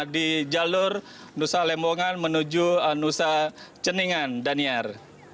di jalur nusa lembongan menuju nusa ceningan daniar